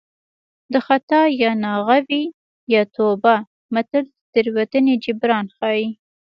د خطا یا ناغه وي یا توبه متل د تېروتنې جبران ښيي